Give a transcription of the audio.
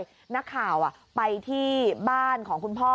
นักข่าวไปที่บ้านของคุณพ่อ